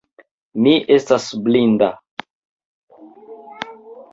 Mi estas blinda.